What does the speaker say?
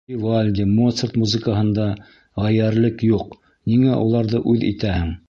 — Вивальди, Моцарт музыкаһында ғәййәрлек юҡ, ниңә уларҙы үҙ итәһең?